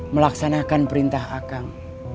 melaksanakan perintah akang